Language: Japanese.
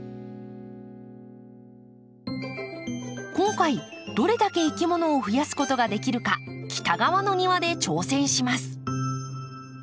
今回どれだけいきものを増やすことができるか北側の庭で挑戦します。